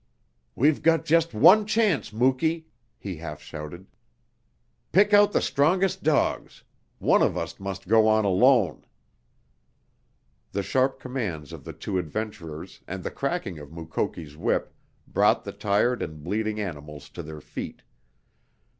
"We've got just one chance, Muky!" he half shouted. "Pick out the strongest dogs. One of us must go on alone!" The sharp commands of the two adventurers and the cracking of Mukoki's whip brought the tired and bleeding animals to their feet.